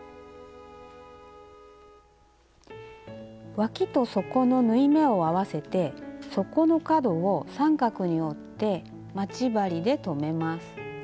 わきと底の縫い目を合わせて底の角を三角に折って待ち針で留めます。